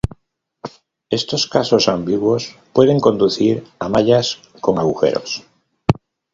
Estos casos ambiguos pueden conducir a mallas con agujeros.